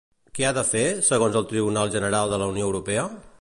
Què ha de fer, segons el Tribunal General de la Unió Europea?